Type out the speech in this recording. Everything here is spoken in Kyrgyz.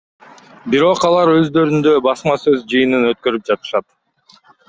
Бирок алар өздөрүндө басма сөз жыйынын өткөрүп жатышат.